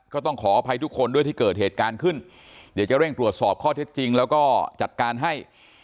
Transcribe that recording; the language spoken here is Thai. ก็ต้องขออภัยทุกคนด้วยที่เกิดเหตุการณ์ขึ้นเดี๋ยวจะเร่งตรวจสอบข้อเท็จจริงแล้วก็จัดการให้